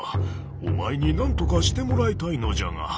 お前になんとかしてもらいたいのじゃが。